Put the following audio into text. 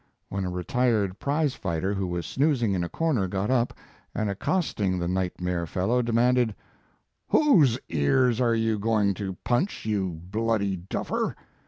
" when a retired prize fighter who was snoozing in a corner got up, and accosting the nightmare fellow, demanded, " Whose ears are you going to punch, you bloody duffer?